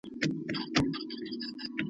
د پیربابا زیارت دی !.